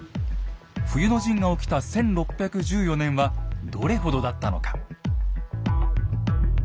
冬の陣が起きた１６１４年はどれほどだったのか。